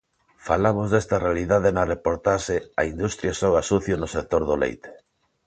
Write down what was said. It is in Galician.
Falamos desta realidade na reportaxe 'A industria xoga sucio no sector do leite'.